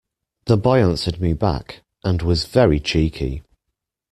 The boy answered me back, and was very cheeky